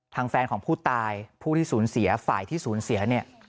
ทางแฟนของผู้ตายผู้ที่สูญเสียฝ่ายที่สูญเสียเนี่ย